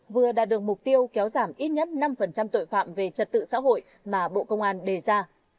vừa đạt được mục tiêu kéo giảm ít nhất năm tội phạm về trật tự xã hội mà bộ công an đề ra